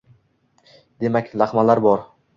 Demak, laqmalar bor